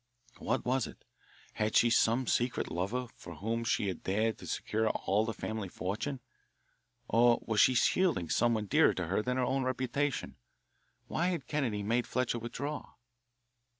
What was it? Had she some secret lover for whom she had dared all to secure the family fortune? Or was she shielding someone dearer to her than her own reputation? Why had Kennedy made Fletcher withdraw?